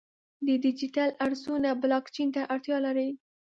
د ډیجیټل ارزونه بلاکچین ته اړتیا لري.